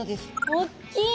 おっきい！